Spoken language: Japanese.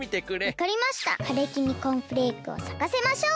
かれきにコーンフレークをさかせましょう！